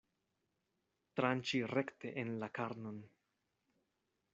Tranĉi rekte en la karnon.